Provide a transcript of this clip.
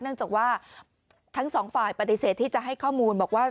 เนื่องจากว่าทั้งสองฝ่ายปฏิเสธที่จะให้ข้อมูลบอกว่า